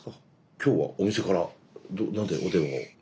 今日はお店から何でお電話を？